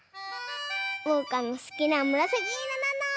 おうかのすきなむらさきいろなの！